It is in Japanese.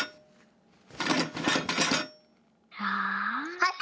はい。